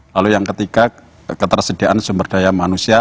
lalu yang ketiga ketersediaan sumber daya manusia